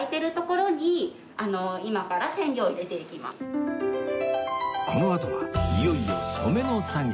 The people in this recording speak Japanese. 今このこのあとはいよいよ染めの作業